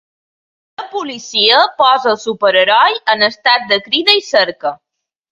La policia posa al superheroi en estat de crida i cerca.